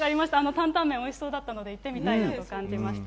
タンタンメンおいしそうだったので、行ってみたいなと感じました。